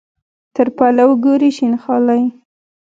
تر پلو ګوري شین خالۍ.